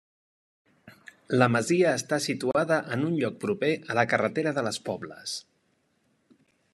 La masia està situada en un lloc proper a la carretera de les Pobles.